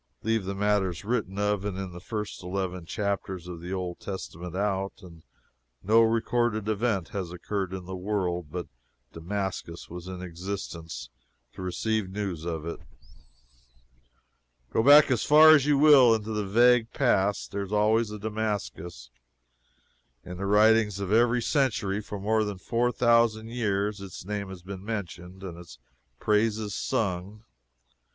Leave the matters written of in the first eleven chapters of the Old Testament out, and no recorded event has occurred in the world but Damascus was in existence to receive the news of it. Go back as far as you will into the vague past, there was always a Damascus. In the writings of every century for more than four thousand years, its name has been mentioned and its praises sung.